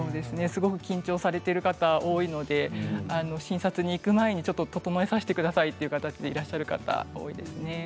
すごく緊張されてる方が多いので診察に行く前に整えさせてくださいということでいらっしゃる方が多いですね。